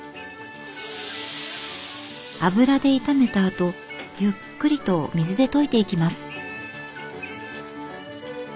油で炒めたあとゆっくりと水で溶いていきます。